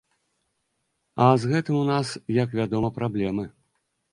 А з гэтым у нас, як вядома, праблемы.